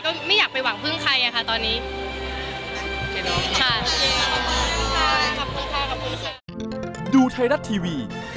ไม่อยากไปหวังพึ่งใครอะค่ะตอนนี้